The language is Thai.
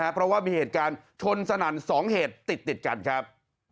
เพราะว่ามีเหตุการณ์ชนสนั่น๒เหตุติดกันครับ